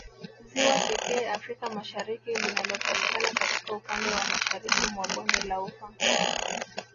Ziwa pekee Afrika Mashariki linalopatikana katika upande wa mashariki mwa bonde la ufa